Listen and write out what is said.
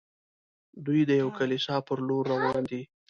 دوی د یوې کلیسا پر لور روان دي.